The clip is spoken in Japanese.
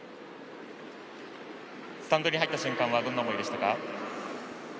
スタンドに入った瞬間はどんな思いでしたか？